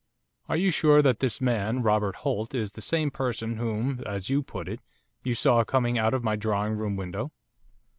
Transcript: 'Are you sure that this man, Robert Holt, is the same person whom, as you put it, you saw coming out of my drawing room window?